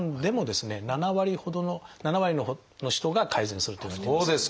７割ほどの７割の人が改善するといわれています。